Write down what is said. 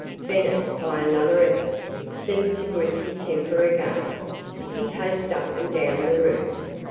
Bennett, by another effort, seemed to grip his temper again. He paced up and down the room.